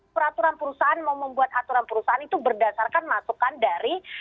peraturan perusahaan mau membuat aturan perusahaan itu berdasarkan masukan dari